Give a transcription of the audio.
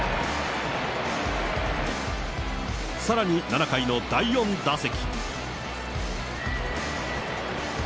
さらに７回の第４打席。